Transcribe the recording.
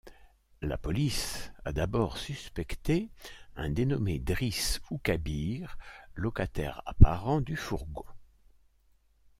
La police a d'abord suspecté un dénommé Driss Oukabir, locataire apparent du fourgon.